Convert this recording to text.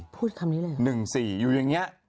พูดคำนี้เลย๑๔อยู่อย่างนี้